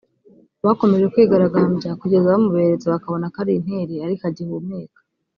Bakomeje kwigaragambya kugeza bamuberetse bakabona ko ari intere ariko agihumeka